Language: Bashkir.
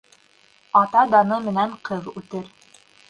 Ата даны менән ҡыҙ үтер.